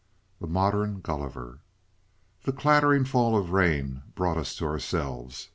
CHAPTER VII A MODERN GULLIVER "The clattering fall of rain brought us to ourselves.